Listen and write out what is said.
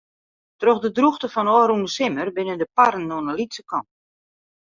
Troch de drûchte fan ôfrûne simmer binne de parren oan de lytse kant.